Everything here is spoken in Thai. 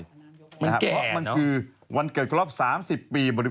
มันแก่เนอะนะครับเพราะมันคือวันเกิดก็รอบ๓๐ปี